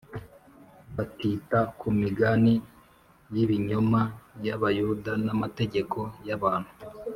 batita ku migani y’ibinyoma y’Abayuda n’amategeko y’abantu